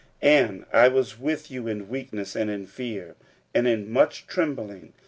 46:002:003 And I was with you in weakness, and in fear, and in much trembling.